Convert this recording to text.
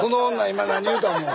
今何言うた思う？